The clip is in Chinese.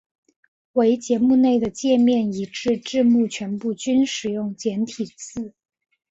唯节目内的介面以至字幕全部均使用简体字。